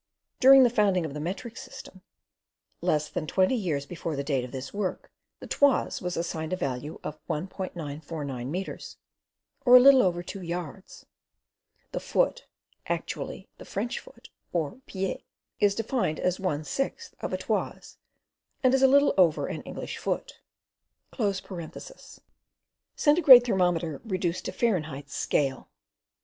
During the founding of the Metric System, less than 20 years before the date of this work, the 'toise' was assigned a value of 1.949 meters, or a little over two yards. The 'foot'; actually the 'French foot', or 'pied', is defined as 1/6 of a 'toise', and is a little over an English foot.) CENTIGRADE THERMOMETER REDUCED TO FAHRENHEIT'S SCALE.